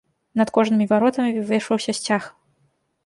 Над кожнымі варотамі вывешваўся сцяг.